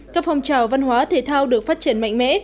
các phong trào văn hóa thể thao được phát triển mạnh mẽ